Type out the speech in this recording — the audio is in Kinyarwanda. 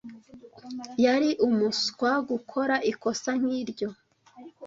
Yari umuswa gukora ikosa nkiryo.